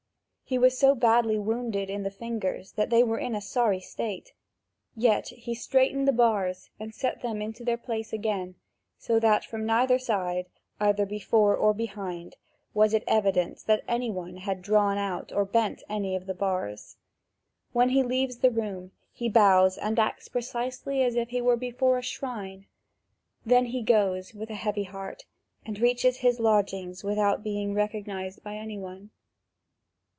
He was so badly wounded in the fingers that they were in sorry, state; yet he straightened the bars and set them in their place again, so that from neither side, either before or behind, was it evident that any one had drawn out or bent any of the bars. When he leaves the room, he bows and acts precisely as if he were before a shrine; then he goes with a heavy heart, and reaches his lodgings without being recognised by any one.